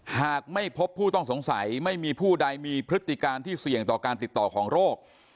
หากไม่พบผู้ต้องสงสัยไม่มีผู้ใดมีพฤติการที่เสี่ยงต่อการติดต่อของโรค